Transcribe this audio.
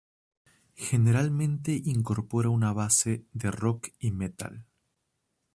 Generalmente incorpora una base de rock y metal.